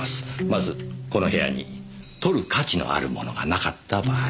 まずこの部屋に盗る価値のあるものがなかった場合。